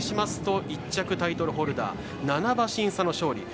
１着タイトルホルダー７馬身差の勝利。